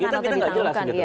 kita tidak jelas gitu